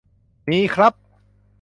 มีครับ